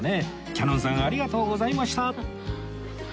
キヤノンさんありがとうございました！